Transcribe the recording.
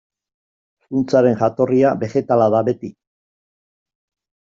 Zuntzaren jatorria begetala da beti.